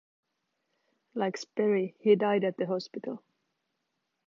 Like Sperry, he died at the hospital.